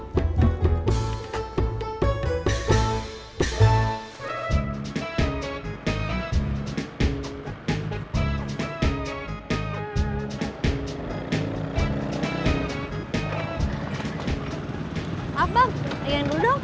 maaf bang saya yang duduk